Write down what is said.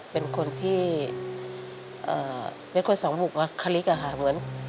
ลงทุนขายของก็มีแต่คาดทุน